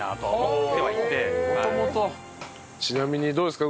ちなみにどうですか？